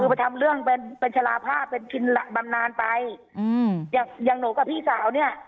คือไปทำเรื่องเป็นเป็นชะลาภาพเป็นกินบำนานไปอืมอย่างอย่างหนูกับพี่สาวเนี้ย